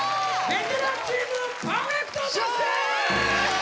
ベテランチームパーフェクト達成！